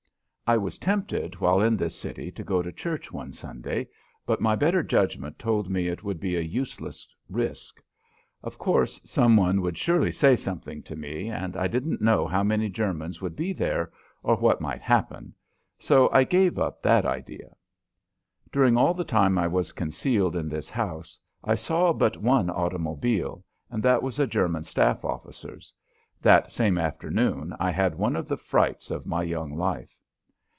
I was tempted while in this city to go to church one Sunday, but my better judgment told me it would be a useless risk. Of course some one would surely say something to me, and I didn't know how many Germans would be there, or what might happen, so I gave up that idea. During all the time I was concealed in this house I saw but one automobile, and that was a German staff officer's. That same afternoon I had one of the frights of my young life.